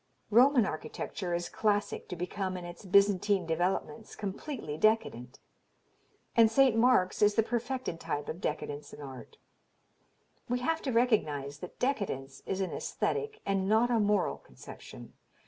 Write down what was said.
Roman architecture is classic to become in its Byzantine developments completely decadent, and St. Mark's is the perfected type of decadence in art. ... We have to recognize that decadence is an aesthetic and not a moral conception.